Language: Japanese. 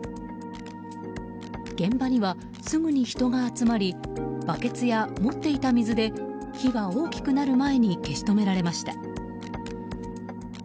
現場にはすぐに人が集まりバケツや持っていた水で火は大きくなる前に消し止められました。